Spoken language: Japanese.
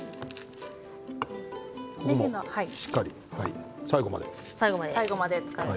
ねぎ、しっかり最後まで。